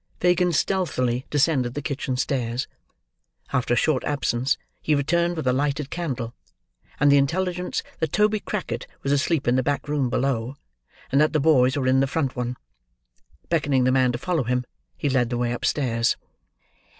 Fagin stealthily descended the kitchen stairs. After a short absence, he returned with a lighted candle, and the intelligence that Toby Crackit was asleep in the back room below, and that the boys were in the front one. Beckoning the man to follow him, he led the way upstairs.